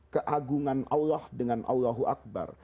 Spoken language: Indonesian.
keagungan allah dengan allahu akbar